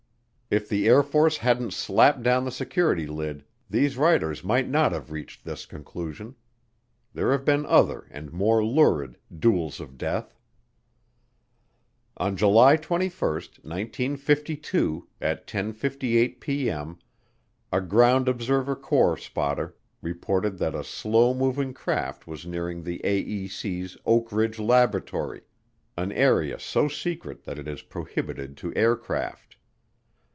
If the Air Force hadn't slapped down the security lid, these writers might not have reached this conclusion. There have been other and more lurid "duels of death." On June 21, 1952, at 10:58P.M., a Ground Observer Corps spotter reported that a slow moving craft was nearing the AEC's Oak Ridge Laboratory, an area so secret that it is prohibited to aircraft.